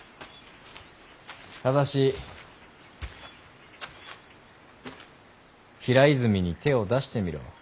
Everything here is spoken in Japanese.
ただし平泉に手を出してみろ。